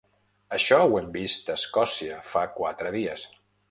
Això ho hem vist a Escòcia fa quatre dies.